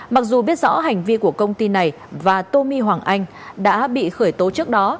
mặc dù biết rõ hành vi của công ty này và tô my hoàng anh đã bị khởi tố trước đó